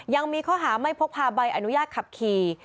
ยังมีข้อหาไม่พกพาใบอนุญาตขับขี่